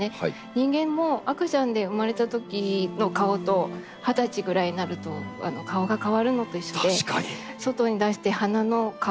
人間も赤ちゃんで生まれたときの顔と二十歳ぐらいになると顔が変わるのと一緒で外に出して花の顔